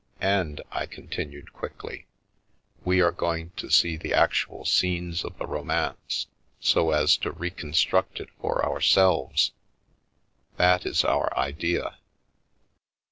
" And," I continued, quickly, " we are going to see the actual scenes of the romance, so as to reconstruct it for ourselves; that is our idea."